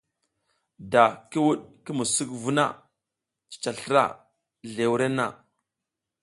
Da ki wuɗ ki musuk vu na, cica slra zle wurenna.